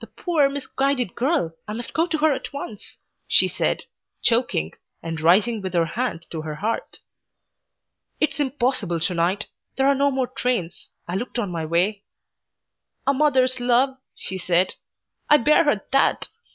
"The poor, misguided girl! I must go to her at once," she said, choking, and rising with her hand to her heart. "It's impossible to night. There are no more trains. I looked on my way." "A mother's love," she said. "I bear her THAT."